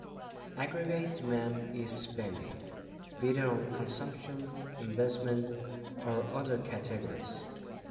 Aggregate demand is "spending," be it on consumption, investment, or other categories.